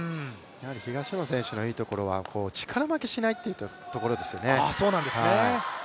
東野選手のいいところは力負けしないところですね。